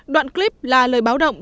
đoạn clip là lời báo động